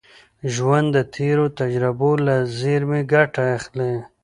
ژوند د تېرو تجربو له زېرمي ګټه اخلي.